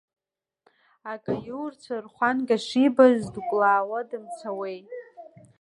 Акаиурцәа рхәанга шибаз, дкәлаауа дымцауеи…